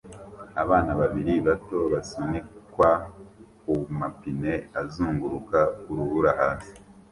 Abana babiri bato basunikwa kumapine azunguruka urubura hasi